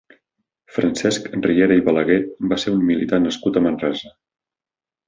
Francesc Riera i Balaguer va ser un militar nascut a Manresa.